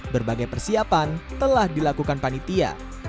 berbagai persiapan telah dilakukan panitia